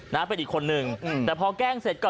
นะเป็นอีกคนนึงอืมแต่พอแกล้งเสร็จก็